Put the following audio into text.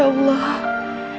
yang luar biasa